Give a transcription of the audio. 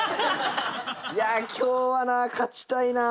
いや今日はな勝ちたいな。